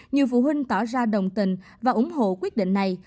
nhiều phụ huynh tỏ ra đồng tình và ủng hộ quyết định này